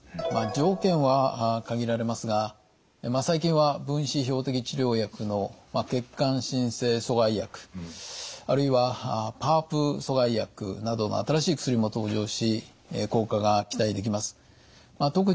条件は限られますが最近は分子標的治療薬の血管新生阻害薬あるいはＰＡＲＰ阻害薬などの新しい薬も登場し効果が期待できます。